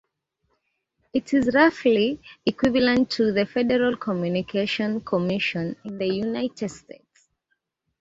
It is roughly equivalent to the Federal Communications Commission in the United States.